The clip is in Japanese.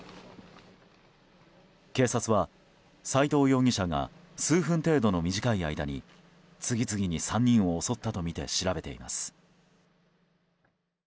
警察は斎藤容疑者が数分程度の短い間に次々に３人を襲ったとみて調べています。